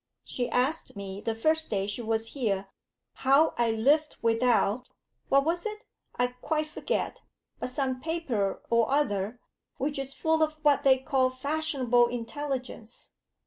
She asked me, the first day she was here, how I lived without what was it? I quite forget, but some paper or other which is full of what they call fashionable intelligence.